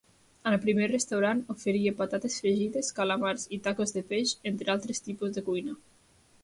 El primer restaurant oferia patates fregides, calamars i tacos de peix, entre altres tipus de cuina.